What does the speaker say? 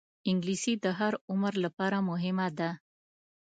انګلیسي د هر عمر لپاره مهمه ده